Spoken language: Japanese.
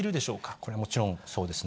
これはもちろん、そうですね。